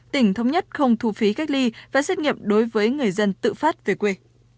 tỉnh thống nhất không thu phí cách ly và xét nghiệm đối với người dân tự phát về quê